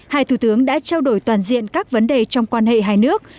hai thủ tướng đã trao đổi toàn diện các vấn đề trong quan hệ hai nước